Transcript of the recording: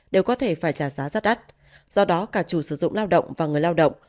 đều có thể phải trả giá rất đắt do đó cả chủ sử dụng lao động và người lao động